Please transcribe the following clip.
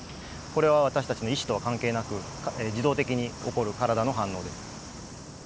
これは私たちの意志とは関係なく自動的に起こる体の反応です。